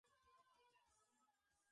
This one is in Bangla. সব মানুষ তো এক রকম নয়!